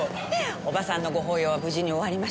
叔母さんのご法要は無事に終わりました。